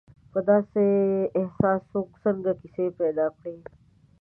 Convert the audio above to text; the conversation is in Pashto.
په داسې احساس څوک څنګه کیسې پیدا کړي.